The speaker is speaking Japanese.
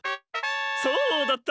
そうだった。